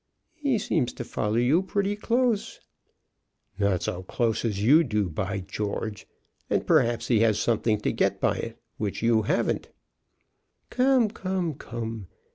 "He seems to follow you pretty close." "Not so close as you do, by George; and perhaps he has something to get by it, which you haven't." "Come, come, come!